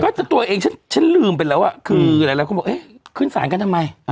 แต่ตัวเองฉันลืมไปแล้วอ่ะคือหลายคนบอกเอ๊ะขึ้นสารกันทำไม